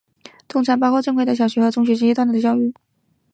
通常包括正规的小学和中学阶段的教育。